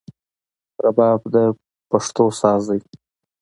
رباب د پښتو ساز دی